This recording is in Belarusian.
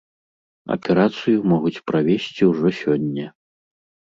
Аперацыю могуць правесці ўжо сёння.